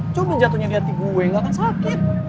coba jatohnya di hati gue gak akan sakit